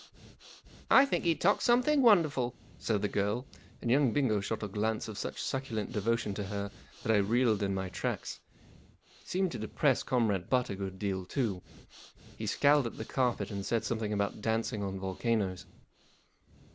" I think he talks something wonderful/ 1 said the girl, and young Bingo shot a glance of such succulent devotion at her that I reeled in my tracks. It seemed to depress Comrade Butt a good deal too. He scowled at the carpet and said something about dancing on volcanoes.